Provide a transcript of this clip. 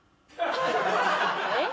えっ？